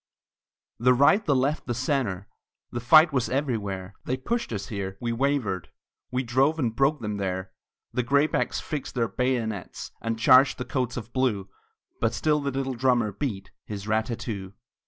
The right, the left, the centre, The fight was everywhere; They pushed us here, we wavered, We drove and broke them there. The graybacks fixed their bayonets, And charged the coats of blue, But still the little drummer beat His rat tat too!